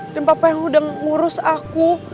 dan papa yang udah ngurus aku